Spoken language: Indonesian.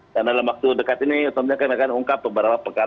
dan dalam waktu dekat ini utamanya kami akan ungkap pembukaan dan pembukaan